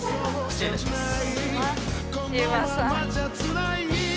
失礼します。